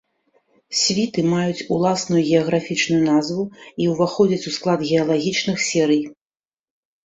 Світы маюць уласную геаграфічную назву і ўваходзяць у склад геалагічных серый.